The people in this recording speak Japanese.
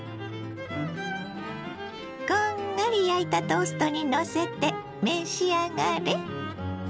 こんがり焼いたトーストにのせて召し上がれ。